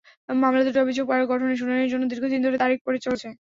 মামলা দুটির অভিযোগ গঠনের শুনানির জন্য দীর্ঘদিন ধরে তারিখ পড়ে চলেছে।